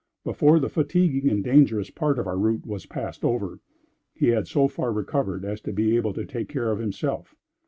Before the fatiguing and dangerous part of our route was passed over, he had so far recovered as to be able to take care of himself.